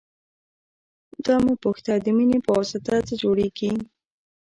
دا مه پوښته د مینې پواسطه څه جوړېږي.